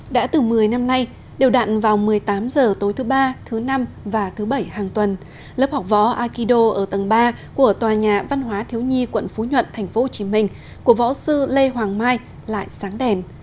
đã từ một mươi năm nay đều đạn vào một mươi tám h tối thứ ba thứ năm và thứ bảy hàng tuần lớp học võ akido ở tầng ba của tòa nhà văn hóa thiếu nhi quận phú nhuận tp hcm của võ sư lê hoàng mai lại sáng đèn